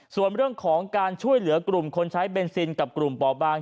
ส่วนเรื่องของการช่วยเหลือกลุ่มคนใช้เบนซินกับกลุ่มป่อบาง